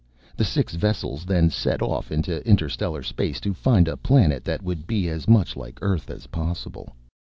The six vessels then set off into interstellar space to find a planet that would be as much like Earth as possible.